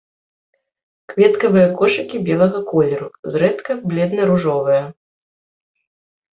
Кветкавыя кошыкі белага колеру, зрэдку бледна-ружовыя.